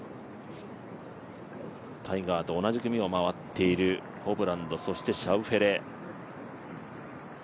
タイガーと同じ組を回っているホブランド、そしてシャウフェレ。